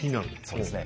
そうですね。